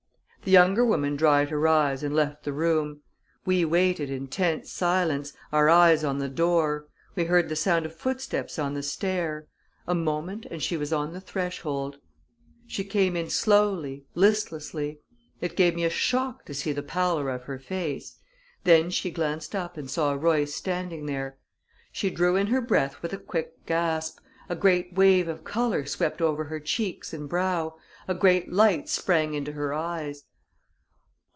The younger woman dried her eyes and left the room. We waited in tense silence, our eyes on the door. We heard the sound of footsteps on the stair; a moment, and she was on the threshold. She came in slowly, listlessly it gave me a shock to see the pallor of her face. Then she glanced up and saw Royce standing there; she drew in her breath with a quick gasp, a great wave of color swept over her cheeks and brow, a great light sprang into her eyes.